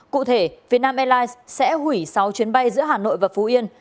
cụ thể việt nam airlines sẽ hủy sáu chuyến bay giữa hà nội và phú yên